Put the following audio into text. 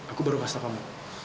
aku baru kasih kamu